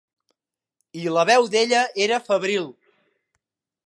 I la veu d'ella era febril.